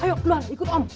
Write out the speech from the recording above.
ayo keluar ikut om